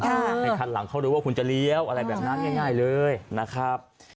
ในคันหลังเขารู้ว่าคุณจะเลี้ยวอะไรแบบนั้นง่ายเลยนะครับ